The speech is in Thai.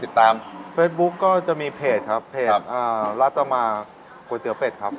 ให้ติดตามเฟสบุ๊กก็จะมีเพจครับเพจครับอ่ารัตมากก๋วยเตี๋ยวเป็ดครับ